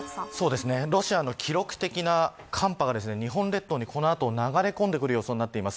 ロシアの記録的な寒波は日本列島に、この後流れ込んでくる予想です。